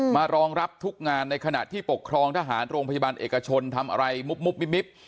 รองรับทุกงานในขณะที่ปกครองทหารโรงพยาบาลเอกชนทำอะไรมุบมิบ